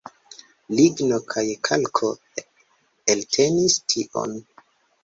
Ligno kaj kalko eltenis tion.